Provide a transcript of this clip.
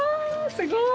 すごい！